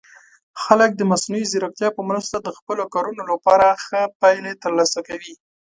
خلک د مصنوعي ځیرکتیا په مرسته د خپلو کارونو لپاره ښه پایلې ترلاسه کوي.